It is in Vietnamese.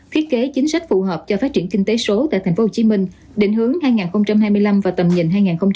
thiết kế chính sách phù hợp cho phát triển kinh tế số tại tp hcm định hướng hai nghìn hai mươi năm và tầm nhìn hai nghìn ba mươi